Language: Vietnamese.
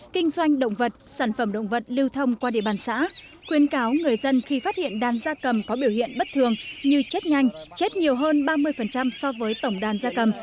kinh doanh động vật sản phẩm động vật lưu thông qua địa bàn xã khuyên cáo người dân khi phát hiện đàn gia cầm có biểu hiện bất thường như chết nhanh chết nhiều hơn ba mươi so với tổng đàn gia cầm